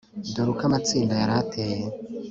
Dore uko amatsinda yari ateye